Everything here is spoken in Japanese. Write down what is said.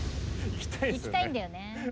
行きたいんだよね。